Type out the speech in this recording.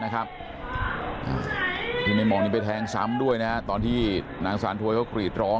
นะครับในหม่อนี้ไปแทงซ้ำด้วยนะตอนที่นางสานทวยกรีดร้อง